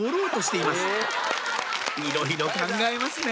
いろいろ考えますね！